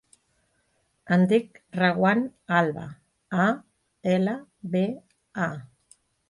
Em dic Rawan Alba: a, ela, be, a.